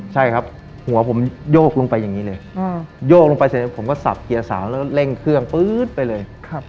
ใช่ครับหัวผมโยกลงไปอย่างนี้เลยโยกลงไปเสร็จผมก็สับเกียร์สาวแล้วเร่งเครื่องปื๊ดไปเลย